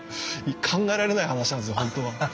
考えられない話なんですよ本当は。